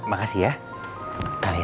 aku mau pergi